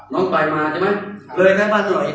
น้องไปมาใช่ไหมเลยไข่บ้านของนั้นหน่อย